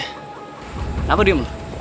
kenapa diam lu